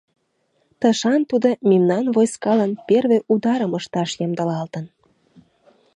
Тышан тудо мемнан войскалан первый ударым ышташ ямдылалтын.